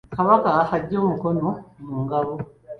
Kabaka aggye omukono mu ngabo.